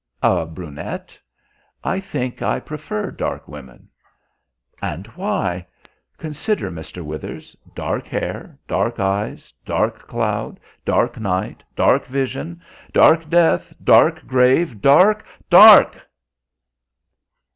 "A brunette?" "I think I prefer dark women." "And why? Consider, Mr. Withers; dark hair, dark eyes, dark cloud, dark night, dark vision, dark death, dark grave, dark DARK!"